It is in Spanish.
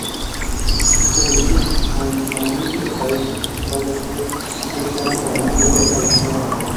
Hijo de Yusuf al-Muladí, parece que su padre fue un cristiano convertido al islam.